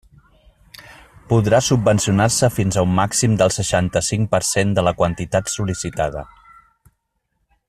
Podrà subvencionar-se fins a un màxim del seixanta-cinc per cent de la quantitat sol·licitada.